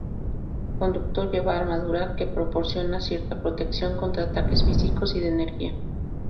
Conducto lleva armadura que proporciona cierta protección contra ataques físicos y de energía.